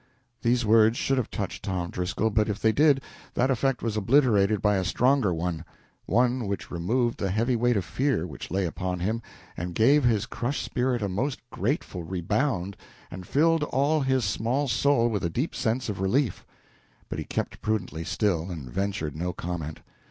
These words should have touched Tom Driscoll, but if they did, that effect was obliterated by a stronger one one which removed the heavy weight of fear which lay upon him, and gave his crushed spirit a most grateful rebound, and filled all his small soul with a deep sense of relief. But he kept prudently still, and ventured no comment.